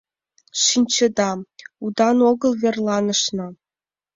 Шинчеда, удан огыл верланышна.